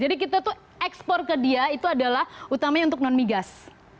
jadi kita itu ekspor ke dia itu adalah utamanya untuk non migas